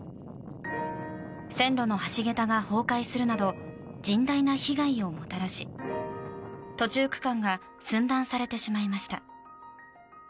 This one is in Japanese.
線路の橋桁が崩壊するなど甚大な被害をもたらし途中区間が寸断されてしまいました。